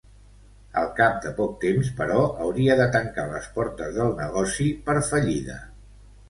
Al cap de poc temps, però, hauria de tancar les portes del negoci per fallida.